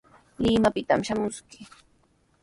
Limapitami shamuskii.